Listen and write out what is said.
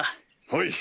はい。